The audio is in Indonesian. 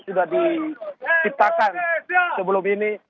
sudah diciptakan sebelum ini